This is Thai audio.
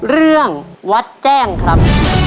เรื่องวัดแจ้งครับ